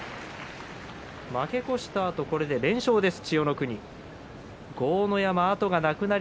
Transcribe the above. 負け越したあとこれで連勝です